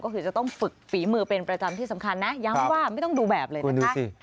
ก็คือจะต้องฝึกฝีมือเป็นประจำที่สำคัญนะย้ำว่าไม่ต้องดูแบบเลยนะคะ